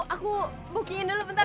aku bookingin dulu bentar